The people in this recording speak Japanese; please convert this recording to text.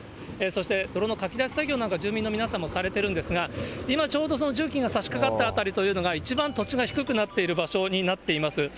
そして泥のかき出し作業、住民の皆さんもされてるんですが、今ちょうどその重機が差し掛かった辺りというのが一番土地が低くなっている場所になっています。